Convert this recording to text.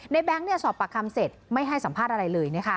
แบงค์สอบปากคำเสร็จไม่ให้สัมภาษณ์อะไรเลย